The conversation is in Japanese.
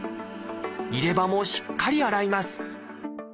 入れ歯もしっかり洗います。